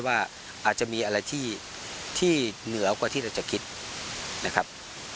ว่าอาจจะมีอะไรที่เหนือกว่าที่เราจะคิดนะครับ